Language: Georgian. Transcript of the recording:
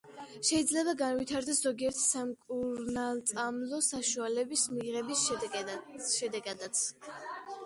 შეიძლება განვითარდეს ზოგიერთი სამკურნალწამლო საშუალების მიღების შედეგადაც.